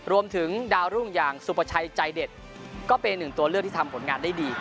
รวมถึงดาวรุ่งอย่างสุภาชัยใจเด็ดก็เป็นหนึ่งตัวเลือกที่ทำผลงานได้ดี